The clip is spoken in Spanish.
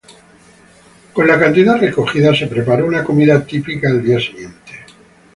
Con la cantidad recogida se prepara una comida típica al día siguiente.